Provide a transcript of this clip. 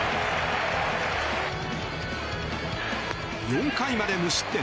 ４回まで無失点。